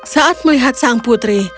saat melihat sang putri